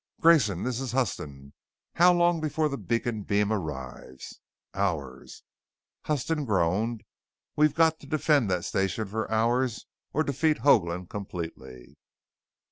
"Grayson, this is Huston. How long before the beacon beam arrives?" "Hours." Huston groaned. "We've got to defend that station for hours or defeat Hoagland completely!"